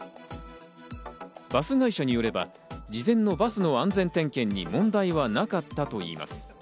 バス会社によれば、事前のバスの安全点検に問題はなかったといいます。